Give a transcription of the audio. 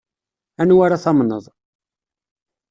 Anwa ara tamneḍ?